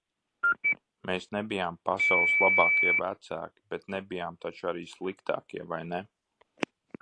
Mēs nebijām pasaules labākie vecāki, bet nebijām taču arī sliktākie, vai ne?